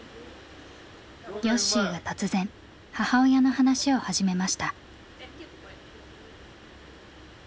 よっしーが突然母親の話を始めました。